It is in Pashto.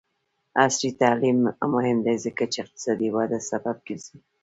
عصري تعلیم مهم دی ځکه چې اقتصادي وده سبب ګرځي.